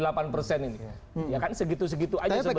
ya kan segitu segitu saja sebetulnya